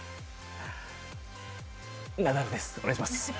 ナダルです、お願いします。